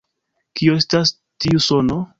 Kio estas tiu sono?